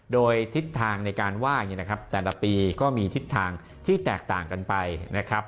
โดยทิศทางในการไหว้เนี่ยนะครับแต่ละปีก็มีทิศทางที่แตกต่างกันไปนะครับ